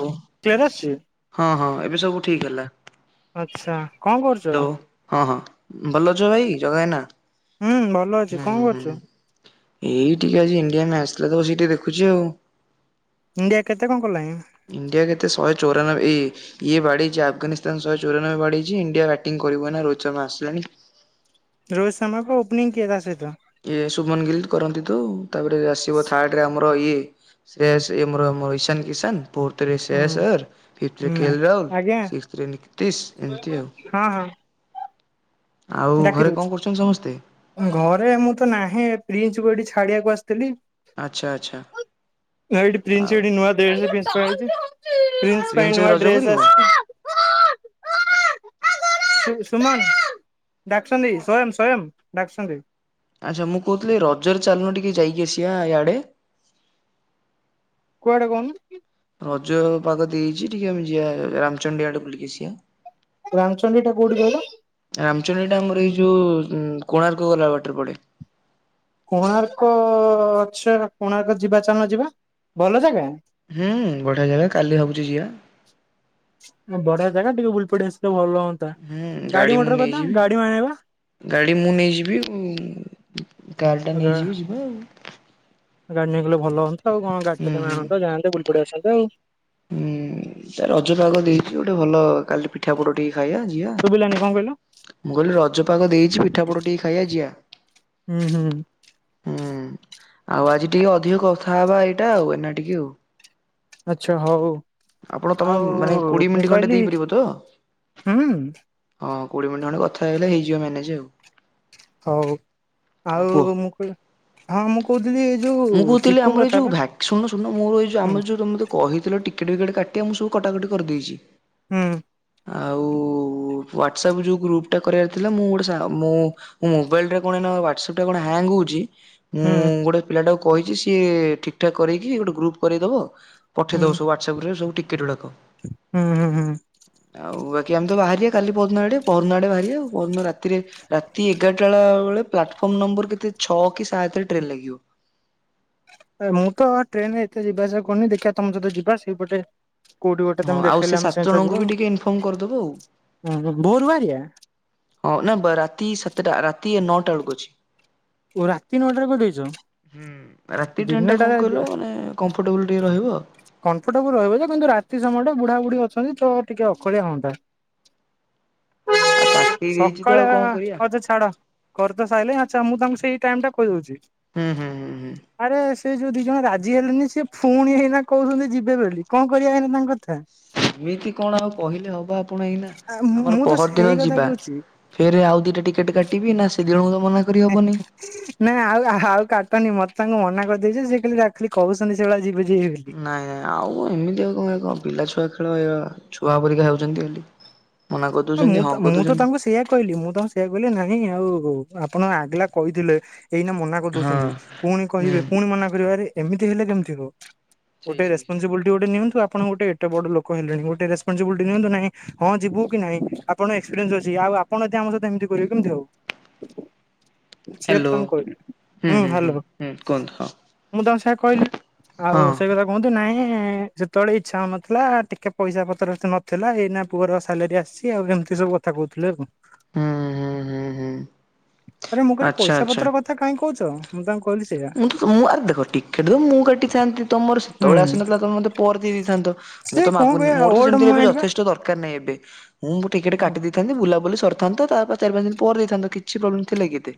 ହଉ କ୍ଲିୟର ଆସୁଛି ହଁ ହଁ ଏ ଏବେ ସବୁ ଠିକ ହେଲା । ଆଚ୍ଛା କଣ କରୁଛ? ହଁ ହଁ ଭଲ ଅଛ ଭାଇ ଜଗାଇନା ହୁଁ ଭଲ ଅଛି ହୁଁ କଣ ହୁଁ ହୁଁ କରୁଛୁ? ହୁଁ ଏଇ ଟିକେ ଆଜି ଇଣ୍ଡିଆ ମ୍ୟାଚ୍ ଥିଲା ତାକୁ ସେଇଠି ଦେଖୁଛି ଆଉ। ଇଣ୍ଡିଆ କେତେ କଣ କଲାଣି? [inaudible] ଇଣ୍ଡିଆ କେତେ ଶହେ ଚଉରାନବେ ଏଇ ଇଏ ବାଡେଇଛି ଆଫଗାନିସ୍ତାନ ଶହେ ଚଉରାନବେ ବାଡେଇଛି ଇଣ୍ଡିଆ ବ୍ୟାଟିଂ କରିବ ନା ରୋହିତ୍ ଶର୍ମା ଆସିଲାଣି । ରୋହିତ୍ ଶର୍ମାକୁ ଓପନିଂ କିଏ ତା ସହିତ ଏ ସୁମନ ଗିଲ କରନ୍ତି ତ ତାପରେ ଆସିବ ଥାର୍ଡ ରେ ଆମର ଅ ଇଏ ସେ ଆସେ ଆମର ଇଶାନ କିଶାନ ଫୋର୍ଥରେ ହୁଁ ଶ୍ରୟାସର ଫିଫ୍‌ଥ୍ ରେ ହୁଁ କେ ଏଲ ରାହୁଲ ଆଜ୍ଞା ସିକ୍ସଥ୍ ରେ ନିତିଶ ଏମିତି ଆଉ ହଁ ହଁ ଆଉ ଡାକି ଘରେ କଣ ଦଉଛି! କରୁଛନ୍ତି ସମସ୍ତେ? ଘରେ ମୁଁ ତ ନାହିଁ ଫ୍ରୀ ଅଛି ବୋଳି ଏଟା ଛାଡିବାକୁ ଆସିଥିଲି ଆଚ୍ଛା ଆଚ୍ଛା [inaudible] ଏଇଠି ପ୍ରିନ୍ସ ଆଉ ଏଠ ନୂଆ ଦେଶ [inaudible] ସେଇଛି [unintelligible] ପ୍ରିନ୍ସ ପାଇଁ ଭାଇ ନୂଆ ରଜ ଡ୍ରେସ କରିବ? ଆସିଛି [unintelligible] [inaudible] ସୁୁମନ [unintelligible] ଡାକୁଛନ୍ତି ସୋୟାମ ସୋୟାମ ଡାକୁଛନ୍ତି, ଆଚ୍ଛା ମୁଁ କହୁଥିଲି, ରଜରେ ଚାଲୁନୁ ଟିକେ ଯାଇକି ଆସିବା ଇଆଡେ କୁଆଡେ କହୁନୁ ଏଇଠି ଟିକେ ଆମ ଯିବା ରାମଚଣ୍ଡୀ ଆଡେ ବୁଲିକି ଆସିବା ରାମଚଣ୍ଡୀ ଟା କୋଉଠି କହିଲ? [inaudible] ରାମଚଣ୍ଡୀ ଟା ଆମର ଏଇ ଯୋଉ ଉଁ କୋଣାର୍କ ଗଲା ବାଟରେ ପଡେ। କୋଣାର୍କ ଅ ଅ ଅ ଅଚ୍ଛା, କୋଣାର୍କ ଯିବା ଚାଳନା ଯିବା ଭଲ ଜାଗା? ହୁଁ ବଢିଆ ଜାଗ, କାଲି ଭାବୁଛି ଯିିବା ବଢିଆ ଜାଗା ଟିକେ ବୁଲି ପଡି ଆସିଲେ ଭଲ ହୁଅନ୍ତା। ହୁଁ ଗାଡି ମୁଁ ମଟର କଥା ନେଇଯିବି ଗାଡି ଆଣେବା। ଗାଡି ମୁଁ ନେଇଯିବି ଉଁ କାର୍ ଟା ନେଇଯିବି ଯିବା ଆଉ ଗାଡି ନେଇଗଲେ ଭଲ ହୁଅନ୍ତି ହବ କଣ ହୁଁ ଗାଡିଟେ ତମେ ହୁଁ। ଆଣନ୍ତେ ଯାଆନ୍ତେ ବୁଲି ଡସ ଯଉ ହୁଁ ତା ରଜ ପାଗ ଦେଇଛି ଗୋଟେ ଭଲ କାଲି ପିଠାପୋଡ ଟିକେ ଶୁଭିଲାନି କଣ କହିଲ? ମୁଁ କହିଲି ରଜପକ ଦେଇଛି ପିଠା ପଟ ଟିକେ ଖାଇବା ଯିବା। ହୁଁ ହୁଁ ହୁଁ ଆଉ ଆଜି ଟିକେ ଅଧିକ କଥା ହବା ଏଇଟା ଆଉ ଏନା ଟିକେ ଆଉ। ଆଛା ହଉ। ଆପଣ ତମେ ଆଉ ମାନେ କୋଡିଏ ମୁଁ ମିନିଟ ଖଣ୍ଟେ କହିଲି ଦେଇପାରିବ ତ? ହୁଁ ହଁ। କୋଡିଏ ମିନିଟ ଖଣ୍ଡେ କଥା ହେଇଗ ହେଇଯ ମାନେଜ ଆଉ। ହଉ ଆଉ ମୁଁ କ ହଁ ମୁଁ କହୁଥିଲି ଏ ଯୋଉ ମୁଁ କହୁଥିଲି ଆମର ଏଇ ଯୋଉ ଚିକୁକଥାର ଭ୍ୟାକ୍ ହୁଁ। ତ ଟ [unintelligible] କିକେ ବିକେଟ କାଟିବ ମୁଁ ସବୁ କଟାକଟି କରିଦେଇଛି। ହୁଁ। ଆଉ ହ୍ୱଵାଟ୍ସଆପ୍ ଯେଉଁ ଗ୍ରୁପ୍ଟା କରିବାର ଥିଲା ମୁଁ ଗୋଟେ ସା ମୁଁ ମୋ ମୋାଇଲରେ କଣ ନା ହ୍ୱଵାଟ୍ସଆପ୍ ଟା କଣ ହ୍ୟାଙ୍ଗ୍ ହେଉଛି। ହୁଁ ମୁଁ-ଉଁ-ଉଁ, ଗୋଟେ ପିଲାଟାକୁ କହିଛି ସିଏ ଠିକ-ଠାକ୍ କରେଇକି ଗୋଟେ ଗ୍ରୁପ୍ କରାଇଦବ। ହୁଁ ପଠେଇଦବ ହୁଁ ସବୁ ଆ ହଁ ସବୁ ଠିକ। ଏଗୁଡ଼ାକ ହୁଁ ହୁଁ। [inaudible] ଆଉ ଏ ଆମେ ତ ବାହାରିଆ କାଲି ପହରି ଦିନ ଆଡେ, ପହରିଦିନ ଆଡ଼େ ବାହାରିଆ ଆଉ। ପହରିଦିନ ରାତିରେ, ରାତି ଏଗାରଟା ବେଳେ ପ୍ଲାଟଫର୍ମ ନମ୍ବର କେତେ ଛଅ କି ସାତରେ ଟ୍ରେନ ଲାଗିବ। ଏ ମୁଁ ତ ଟ୍ରେନ ରେ ଏତେ ଯିବା ଆସିବା କୁରୁନି, ଦେଖିଆ ତମେ ଯଦି ଯିବା। ସେଇପଟେ କୋଉଠି ଗୋଟେ ହଁ ତମେ ଆଉ ଦେଖେଇଲେ ସେ ଆମେ ସାତ ସେମିତିଆ ଜଣଙ୍କୁ ଯିବା ବି ଟିକେ ଇନଫରମ କରିଦବ ଆଉ। ଆଉ ଭୋରୁ ବାହାରିବା [inaudible] ହଁ ନା ରାତି ସା ତା ରାତି ନଅଟା ବେଳକୁ ଅଛି। ଓ ରାତି ନଅଟା ରେ କରିଦେଇଚ? ହୁଁ ରାତି [inaudible] ଟ୍ରେନ ଟା ଦିନଟା କଣ କହିଲ ରେ ମାନେ କମ୍ଫର୍ଟେବୁଲ ଟିକେ ରହିବ ଆଉ। [inaudible] କମ୍ଫଟେବୁଲ ରହିବ ଯେ କିନ୍ତୁ ରାତି [unintelligible] ବୁଢା ବୁଢୀ ଅଛନ୍ତି ତ ଟିକେ ଅକଳିଆ ହଅନ୍ତା । ଆଉ [unintelligible] କାଟି ଦେଇଛି ତ ଆଉ କଣ ସକାଳିଆ, କରିବା ଆଛା ଛାଡ। କରିତ ସାଇିଲଣି, ଆଚ୍ଛା ମୁଁ ତାଙ୍କୁ ସେଇ ଟାଇମ ଟା କଇ ଦୋଉଚି। ହୁଁ ହୁଁ ହୁଁ ହୁଁ। ସେ ଯୋଉ ଦି ଜଣ ରାଜି ହେଲେନି, ସେ ଫୁଣି ହେଇନା କୋଉଛନ୍ତି ଯିବେ ବୋଲି। କଅ କରିଆ ଏଇନା ତାଙ୍କ କଥା? ଏମିତି କଣ ଆଉ କହିଲେ ହବ ଆପଣ ଏଇନା, ଆ ଆମର ମୁଁ ତ ପହରି ସେଇ ଦିନ କଥା ଯିବା, କହୁଛି ଫେରେ ଆଉ ଦିଟା ଟିକେଟ କାଟିବି ନା [unintelligible] ହବନି। [unintelligible] ନା ଆଉ-ଆଉ କାଟନି ମତେ ତାଙ୍କୁ ମନା କରିଦେଇଚି ।ସେ ଖାଲି ଯା କୋହୁଚନ୍ତି ସେଇଭଳିଆ ଯିବେ ଯିବେ ବୋଲି। ନାଇଁ ନାଇଁ ଆଉ କଁ ଏମିତି ଆଉ କଁ ଭାଇ କଁ ହବ? ପିଲା ଛୁଆ ଖେଳ, ଏଇଆ ଛୁଆ ପରିକା ହେଉଛନ୍ତି ବୋଲି [inaudible] ହ କରିଦଉଛନ୍ତି ମୁଁ ହଁ ତ ମୁଁ ତ କରିଦଉଛନ୍ତି ତାଙ୍କୁ ସେଇୟା କଇଲି, ମୁଁ ତାଙ୍କୁ ସେଇଆ କଇ ଲି ନାଇଁ ଆଉ ଆପଣ ଆଗଲା କଇଥିଲେ ଏଇନା ମନା ହଁ କରିଦୋଉଚନ୍ତି, ପୁଣି କହିବେ ହୁଁ ପୁଣି ମନା କରିବେ, ଆରେ ଏମିତି ହେଲେ କେମିତି ହବ? ସେଇ ଗୋଟେ ସେଇ ସେଇ ରେସପନସିବଲଟି ଗୋଟେ ନିଅନ୍ତୁ ଆପ ଆପଣ ଗୋଟେ ଏଟେ ବଡ଼ ଲୋକ ହେଲେଣି, ଗୋଟେ ରେସପନସିବିଲିଟି ନିଅନ୍ତୁ ନାହିଁ ହଁ ଯିବୁ କି ନାଇଁ, ଆପଣ ଏକ୍ସପିରିନ୍ସ ଅଛି। ଆଉ ଆପଣ ଯଦି ଆମ ସହିତ ଏମତି କରିବେ, କେମତି ହବ? ସେଇଆ ହ୍ୟାଲୋ ତାଙ୍କୁ କଇଲି, ହୁଁ ହାଲୋ ସ ମୁଁ ତାଙ୍କୁ ସେଇଆ କଇଲି। ଆଉ ହଁ ସେଇ କଥା କୁଅନ୍ତୁ। ନାଇଁ ହୁଁ, ଯେତେବେଳେ ଇଚ୍ଛା ହଉନଥିଲା, ଟିକେ ପଇସା ପତ୍ର ଏତେ ନଥିଲା, ଏଇନା ପୁଅର ସାଲାରୀ ଆସ ଅଛି ଆଉ ଏମିତି ସବୁ କଥା କଉଥିଲେ ଆଉ। [inaudible] ହୁଁ ହୁଁ ହୁଁ ହୁଁ ଆରେ ମୁଁ କଇଲି ଆଚ୍ଛା ପଇସା ଆଚ୍ଛା ପତ୍ର କଥା କାଇକି କଉଚ ମୁଁ ତାଙ୍କୁ କହିଲି ସେଇଆ ମୁଁ ତ ମୁଁ ଆରେ ଦେଖ ଟିକେଟ ତ ମୁଁ କାଟିଥାନ୍ତି। ତମର ହୁଁ ସେତବଳେ ଆସିନଥିଲା ତମେ ମତେ ପଅରେ ଦେଇ ଦେଇଥାନ୍ତ। ମୁଁ ସେ ତ କଣ ମାଗୁନି କହିବା ମୋର ତ ଓଲ୍ଡ ସେମିତି କେବେ ମୁମେଣ୍ଟ ବା ଯଥେଷ୍ଟ ଦରକାର ନାଇ ଏବେ। [inaudible] ମୁଁ ବି ଟିକେଟ କାଟି ଦେଇଥାନ୍ତି ବୁଲାବୁଲି କରିଥାନ୍ତ, ତା ପରେ ଚାରି ପାଞ୍ଚ ଦିନି ପରେ ଦେଇଥାନ୍ତ କିଛି ପ୍ରୋବଲେମ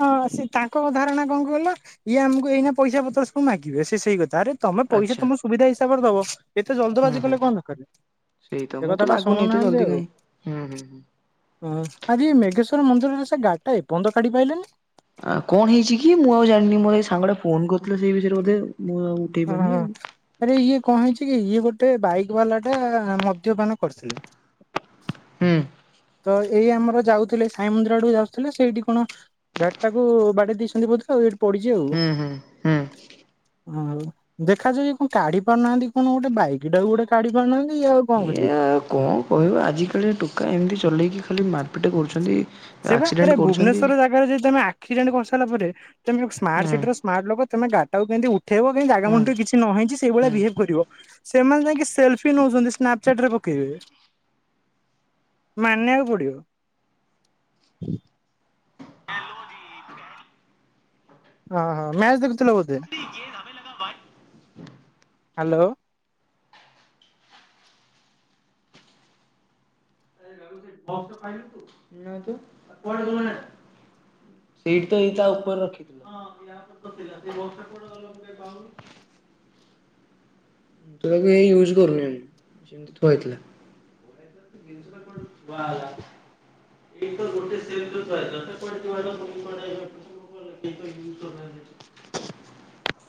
ହଁ ସେ ତାଙ୍କ ଧାରଣା କଣ କହିଲ ଇଏ ଆମକୁ ଏଇନା ପଇସା ପତ୍ର ସବୁ ମାଗିବେ ସେ ସେଇ କ ତାରେ ତମେ ପଇସା ଆଚ୍ଛା ତମ ସୁବିଧା ହିସାବରେ ଦବ। ଏତେ ଜଲ୍ଦ ହୁଁ ବାଜି ହୁଁ କଲେ କଣ ଦରକାର। ସେଇ ତ ଏ ମୁଁ ତ କଥାଟା ମାଗୁନି ଏତେ ଶୁଣୁନାହାନ୍ତି ଜଲ୍ଦି ଆଉ। କାହିଁ। ହୁଁ ହୁଁ ହୁଁ। ହଁ ଆଜି ମେଗେ ମନ୍ଦିରରେ ସେ ଗାଡି ଟା ଏ ପର୍ଯ୍ୟନ୍ତ କାଢି ପାଇଲେନି। ଆଉ କଣ ହେଇଚି କି ମୁଁ ଆଉ ଜାଣିନି ମୋର ଏଇ ସାଙ୍ଗଟା ଫୋନ କରିଥିଲା ସେଇ ବିଷୟରେ ବୋଧେ ଆଉ। ମୁଁ ଆଉ ଉଠେଇ ପାରିନି ଓହୋ ଆରେ ଆଉ। ଇଏ କଣ ହେଇଛି କି ଇଏ ଗୋଟେ ବାଇକ ବାଲା ଟା ମଦ୍ୟପାନ କରିଥିଲେ। ହୁଁ ତ ଏଇ ଆମର ଯାଉଥିଲେ ସାଇ ମନ୍ଦିର ଆଡୁକୁ ଯାଉଥିଲେ ସେଇଟି କଣ ଗାଡି ଟାକୁ ବାଡେଇ ଦେଇଚନ୍ତି ବୋଧ ଆଉ ଏଇ ପଡିଚି ଆଉ। ହୁଁ ହୁଁ ହୁଁ। ହଁ ଆଉ ଦେଖାଯାଉ ଇଏ କଣ କାଢି ପାରୁନାହାନ୍ତି କଣ ଗୋଟେ ବାଇକ ଟାକୁ ଗୋଟେ କାଡି ପାରୁନାହାନ୍ତି ଇଏ ଆଉ କଣ ବୁଝିବେ। ଆଉ କଣ କହିବ ଆଜିକାଲିଆ ଟୋକା ଏମିତି ଚଲେଇକି ଖାଲି ମାର ପିଟ କରୁଛନ୍ତି ଏ ଆକ୍ସିଡେଣ୍ଟ କରୁଛନ୍ତି। କ୍ସିଡେଣ୍ଟ କରିସାରିଲା ପରେ ତମେ ହୁଁ ସ୍ମାର୍ଟ ସିଟିର ସ୍ମାର୍ଟ ଲୋକ ତମେ ଗାଡିଟାକୁ କେମିତି ଉଠ ଠେଇବ କେମତି ଜାଗା ହୁଁ। ମୁଣ୍ଡ ରେ ଜିନ୍ କିଛି ନ ହେଇଚି ସେଇଭଳିଆ ବିହେଭ କରିବ। ସେମାନେ ଯାଇକି ସେଲଫି ନଉଚନ୍ତି, ସ୍ନାପଚାଟ ରେ ପକେଇବେ। ମାନିଆକୁ ପଡିବ। [inaudible] ଓ ହୋ ମ୍ୟାଚ ଦେଖୁଥିଲ ବୋଧେ। ହାଲୋ। ନା ତ ସେଇ ତ ଏଇ ତା ଉପରେ ରଖିଥିଲ [inaudible] ସେ ବି ୟୁଜ କରୁନି ଏ, ସେମତି ଥୁଆ ହେଇ ଥିଲା। [inaudible] ଏଇ ତ ଗୋଟେ ସେ ଯୋଉ [inaudible]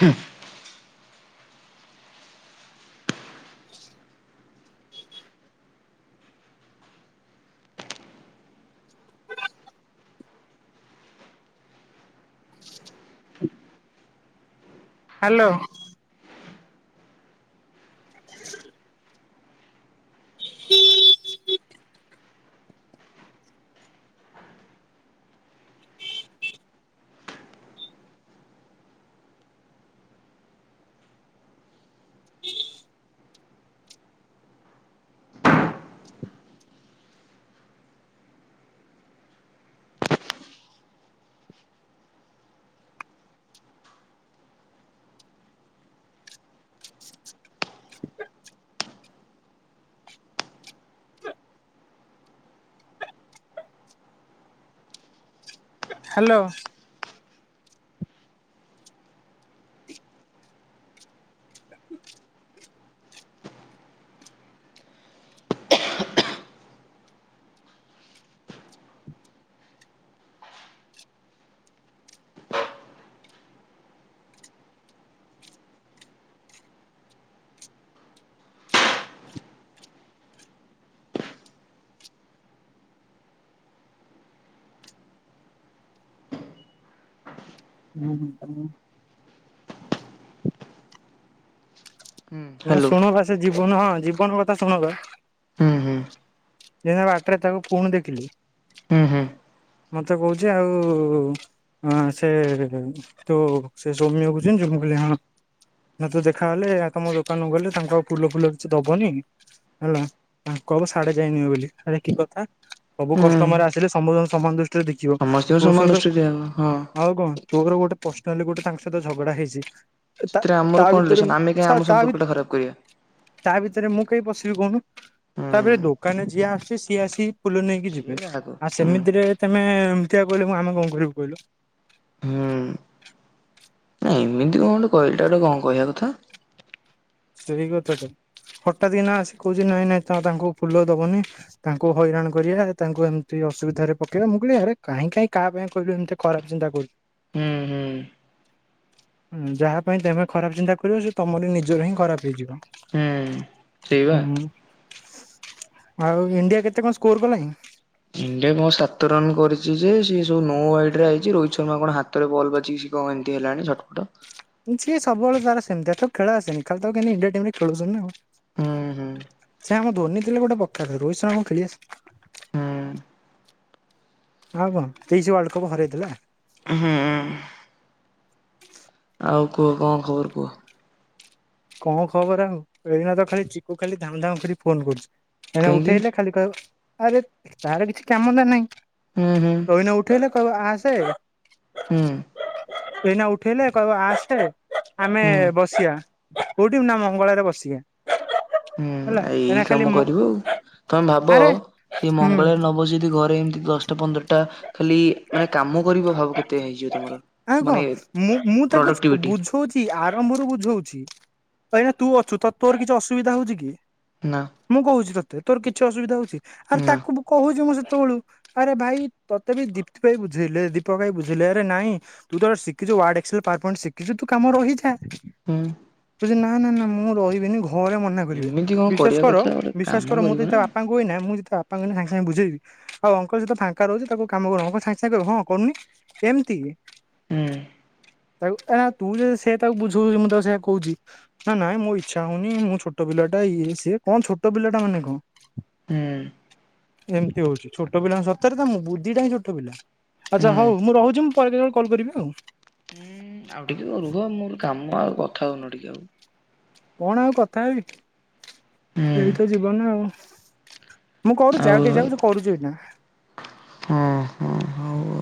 ହୁଁ। ହ୍ୟାଲୋ [unintelligible] ହ୍ୟାଲୋ ହୁଁ ହୁଁ ହୁଁ। [unintelligible] ହଁ ଶୁଣ ବା ସେ ଯି ବନ ଜୀବନ କଥା ଶୁଣବା। ହୁଁ ହୁଁ ଏଇନେ ବାଟରେ ତାକୁ ପୁଣି ଦେଖିଲି। ହୁଁ ହୁଁ ମତେ କହୁଛି ଆଉ ଏଁ ସେ ତୁ ସେ ସୌମ୍ଯ କୁ ଚିହିଁଛୁ ମୁଁ କହିଲି ହଁ ମୋର ଥରେ ଦେଖା ହେଲେ ଆ ତମ ଦୋକାନକୁ ଗଲେ ତାଙ୍କ ଆଉ ଫୁଲ ଫୁଲ କିଛି ଦବନି ହେଲା ତାଙ୍କୁ କହିବ ସାଡେ ଯାଇ ନିଅ ବୋଲି ଆରେ କି କଥା। ସବୁ ହୁଁ। କଷ୍ଟମର ଆସିଲେ ସବୁ ସମ କେତରେ ଦେଖିବ ସମସ୍ତଙ୍କୁ ସମାନ ଔଷଧ ଦୃଷ୍ଟିରେ ଦିଆହବ ହଁ। ଆଉ କଣ ତୋର ଗୋଟେ ପର୍ସନାଲି ଗୋଟେ ତାଙ୍କ ସହିତ ଝଗଡା ହେଇଛି, ସେଥିରେ ଆମର ତା କଣ ଭିତରେ ରିଲେସନ ଆମେ କାହିଁ ଆମ ତା ଭ ସମ୍ପର୍କ ଟା ଖରାପ କରିବା ତା ଭିତରେ ମୁଁ କେହି ପଶିବି କହୁନୁ ତା ଭିତରେ ହୁଁ। ଦୋକ ମାନେ ଯିଏ ଆସୁେ ସିଏ ଆସି ଫୁଲ ନେଇକି ସିଏ ଯିବେ ଗ୍ରାହକ ଆଉ ହୁଁ ସେମିତିରେ ତମେ ଏମତି କହିଲ ମୁ ଆମେ କୋଣ ଘରକୁ କହିଲୁ ହୁଁ ନ ଏମିତି କଣ ଗୋଟେ କହିଲଟା ଗୋଟ କଣ କହିବା କଥା ସେଇ କଥା ତ ହଠାାତ ଦିନ ଆସି କହୁଛି ନାଇଁ ନାଇଁ ତ ତାଙ୍କୁ ଫୁଲ ଦବନି ତାଙ୍କୁ ହଇରାଣ କରିବା ତାଙ୍କୁ ଏମିତି ଅସୁବିଧାରେ ପକେଇବା ମୁଁ କହିଲି ଆରେ କାଁ କାହିଁ କାହା ପାଇଁ କହିଲୁ ଏମିତି ଖରାପ ଚିନ୍ତା କରୁଛୁ, ହୁଁ ହୁଁ ଁ ଯାହା ପାଇଁ ତମେ ଖରାପ ଚିନ୍ତା କରିବ ସେ ତମର ନିଜର ହିଁ, ଖରାପ ହେଇଯିବ ହୁଁ ସେଇବା। ହୁଁ ଆଉ ଇଣ୍ଡିଆ କେତେ କଣ ସ୍କୋର କଲାଣି ଇଣ୍ଡିଆ ମୋ ସାତ ରନ୍ କରିଛି ଯେ ସିଏ ସବୁ ନୋ ୱାଇଡ ରେ ଆଇଛି ରୋହିତ ଶର୍ମା କଣ ହାତରେ ବଲ୍ ବାଚିକି ସି କଣ ଏମିତି ହେଲାଣି ଛଟପଟ ଁିଏ ସବୁବେଳେ ତାର ସେମିତି ତ ଖେଳ ଆସନି ଖାଲି ତ କେ ଇଣ୍ଡିଆଟିମ ରେ ଖେଳୁନି ଆଉ ହୁଁ ହୁଁ ସେ ଆମର ଧର୍ନୀତି ଗୋଟେକାର ରୋହିତ ଶର୍ମା କ ଖେଳି ଆସ ହୁଁ ଆଉ କଣ ତେଇଶି କପ ହରାଇଦଲା ହୁଁ ଆଉ କୁହ କଣ ଖବର କୁହ କଣ ଖବର ଏନା ତ ଖାଲି ଚକୁ ଖାଲି ଧାମ ଧାାମ କରି ଫୋନ କରୁଛି, ହେ କାହିଁକି ଉଠେଇଲେ ଖାଲି କ ଆରେ ତାର କିଛି କାମତା ନାହିଁ, ହୁଁ ହୁଁ ରହନା ଉଠେଇଲେ କ ଆସେ ହୁଁ ଏଇନା ଉଠେଇଲେ କହିବ ଆସେ ଆମେ ହୁଁ। ବସଆ କୋଉଠି ବି ନା ମଙ୍ଗଳରେ ବସିକି ହୁଁ ଏଇ କାମ କରିବୁ ଆଉ ତମେ ଭାବ ଆରେ ସେ ହୁଁ ମଙ୍ଗଳବାର ନବ ଯଦି ଘରେ ଏମିତି ଦଶଟା ପନ୍ଦରଟା ଖାଲି ମାନେ କାମ କରିବ ଭାବ କେତେ ହେଇଯିବ ତମର ଆଉ କଣ ମାନେ ମୁଁ ମୁଁ ତାକୁ ପ୍ରଡକ୍ଟିଭିଟି ତାଇଁନା ତୁ ଅଛୁ ତ ତୋର କିଛି ଅସୁବିଧା ହଉଛି କି ନା ମୁଁ କହୁଛି ତତେ ତୋ କି ଅସୁବିଧା ହଉଛି, ଆଉ ନା ତାକୁ କହୁଛି ମୁଁ ବେୁ ଆରେ ଭାଇ ତତେ ବି ଦୀପ୍ତି ଭ ବୁଝ ଦୀପକ ଭାଇ ବୁଝିଲେ ଆରେ ନାଇଁ ତୁ ତ ଶିଖିଛୁ ାର୍ ଶିଖିଛୁ ତୁ କାମ ରହିଛା ହୁଁ ନା ନା ନା ମୁଁ ରହିବିନି ଘରେ ମନା କରିବେ ଏମିତି କଣ ବିଶଵା କରିବା କର କଥା ଗୋଟେ କାମ ବିଶ୍ାସ କର ମୁଁ କରିବୁ ତ ନା ଯେତେ ହୁଁ ବାପାଙ୍କୁ କୁନା ମୁଁ ଯେ ତା ବାପାଙ୍କୁ ଏଇନେ ସାଙ୍ଗେ ସାଙ୍ଗେ ବୁଝେଇବି ଆଉ ଅଙ୍କଲ ସେତେ ଫାଙ୍କା ରହୁଛି ତାକୁ କାମ କରୁ ଅଙ୍କ ସାଙ୍ଗେ ସାଙ୍ଗେ କହିବେ ହଁ କରୁନି ସେମିତି ହୁଁ ତାକୁ ତା ତୁ ଯଦି ସେ ତାକୁ ବୁଝଉଛି ମୁଁ ତାକୁ ସେ କହୁଛି ନା ନାଇଁ ମୋ ଇଚ୍ଛା ହଉନି ମୁଁ ଛୋଟ ପିଲା ଟା ଇଏ ସିଏ କଣ ଛୋଟ ପିଲା ଟା ମାନେ କଣ ହୁଁ ଏମିତି ହଉଛି ଛୋଟ ପିଲା ସତରେ ତା ବୁଦ୍ଧି ଟା ହଉଚି ଛୋଟ ପିଲା ଆଚ୍ଛା ହୁଁ ହଉ ମୁଁ ରହୁଛିି ପରେ କେବେ କଲ୍ କରିବି ଆଉ ହୁଁ ଆଉ ଟିକେ ରୁହ ମୋର କାମ ଆଉ କଥା ହଉନ ଟିକେ ଆଉ କଣ ଆଉ କଥା ହେବି ଏଇ ତ ଯିବନ ଆଉ ମୁଁ କରୁଛି ଆଉ ଟିକେ ଯାଉ କରୁଛୁ ଏଇନା ଆଉ ହଁ ହଁ ହଉ